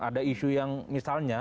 ada isu yang misalnya